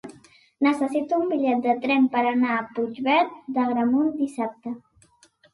Necessito un bitllet de tren per anar a Puigverd d'Agramunt dissabte.